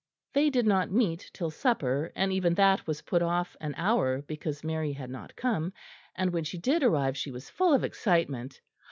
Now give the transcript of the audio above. They did not meet till supper, and even that was put off an hour, because Mary had not come, and when she did arrive she was full of excitement.